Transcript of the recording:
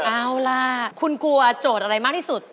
เอาล่ะคุณกลัวโจทย์อะไรมากที่สุด